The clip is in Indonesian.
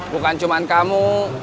bukan cuman kamu